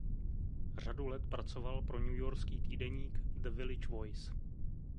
Řadu let pracoval pro newyorský týdeník "The Village Voice".